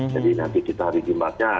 jadi nanti kita hari jumatnya